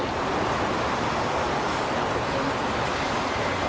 อย่าถุงขึ้น